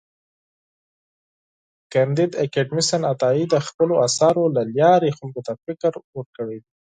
کانديد اکاډميسن عطايي د خپلو اثارو له لارې خلکو ته فکر ورکړی دی.